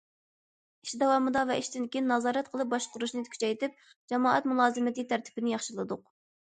ئىش داۋامىدا ۋە ئىشتىن كېيىن نازارەت قىلىپ باشقۇرۇشنى كۈچەيتىپ، جامائەت مۇلازىمىتى تەرتىپىنى ياخشىلىدۇق.